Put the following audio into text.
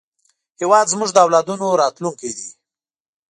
هېواد زموږ د اولادونو راتلونکی دی